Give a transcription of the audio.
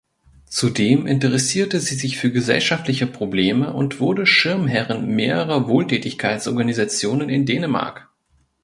Zudem interessierte sie sich für gesellschaftliche Probleme und wurde Schirmherrin mehrerer Wohltätigkeitsorganisationen in Dänemark.